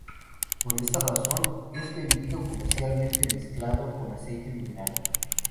Por esta razón es vendido comercialmente mezclado con aceite mineral.